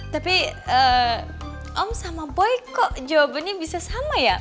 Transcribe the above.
tapi om sama boy kok jawabannya bisa sama ya